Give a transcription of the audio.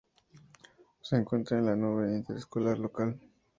Se encuentra en la Nube Interestelar Local.